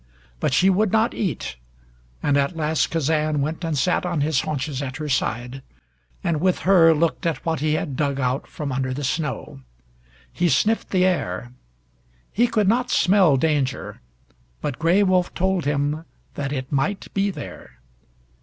But she would not eat, and at last Kazan went and sat on his haunches at her side, and with her looked at what he had dug out from under the snow. He sniffed the air. He could not smell danger, but Gray Wolf told him that it might be there.